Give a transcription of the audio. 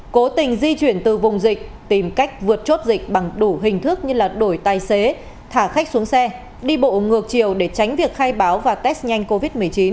cố tình di chuyển từ vùng dịch tìm cách vượt chốt dịch bằng đủ hình thức như đổi tài xế thả khách xuống xe đi bộ ngược chiều để tránh việc khai báo và test nhanh covid một mươi chín